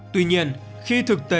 tuy nhiên khi thực tế